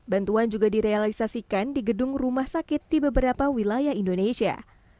bantuan juga direalisasikan di gedung rumah sakit di beberapa wilayah indonesia